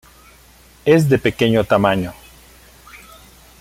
Es de pequeño tamaño.